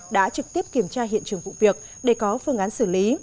đã trực tiếp kiểm tra hiện trường vụ việc để có phương án xử lý